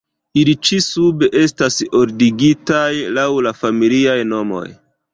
Ili ĉi-sube estas ordigitaj laŭ la familiaj nomoj.